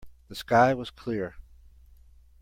The sky was clear.